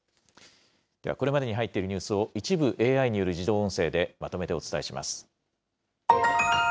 では、これまでに入っているニュースを、一部ＡＩによる自動音声でまとめてお伝えします。